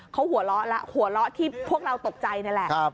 เขาหัวเราะที่พวกเราตกใจนี่แหละ